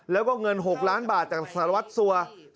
แล้วก็เงิน๖ล้านบาทจากสรรวจซัวร์